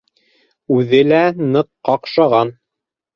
Үҙе лә ныҡ ҡаҡшаған.